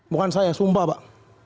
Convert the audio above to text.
bukan saya sumpah pak